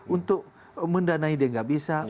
untuk mendanai dia nggak bisa